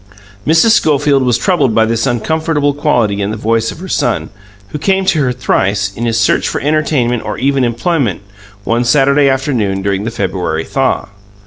Mrs. Schofield was troubled by this uncomfortable quality in the voice of her son, who came to her thrice, in his search for entertainment or even employment, one Saturday afternoon during the February thaw.